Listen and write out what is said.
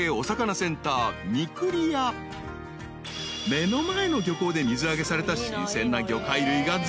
［目の前の漁港で水揚げされた新鮮な魚介類がずらり］